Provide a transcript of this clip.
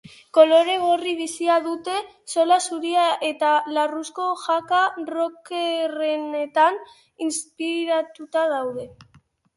Kolore gorri bizia dute, zola zuria eta larruzko jaka rockerrenetan inspiratuta daude.